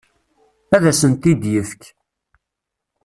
Ad asent-t-id-ifek.